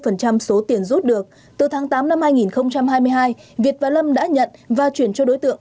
số tiền rút được từ tháng tám năm hai nghìn hai mươi hai việt và lâm đã nhận và chuyển cho đối tượng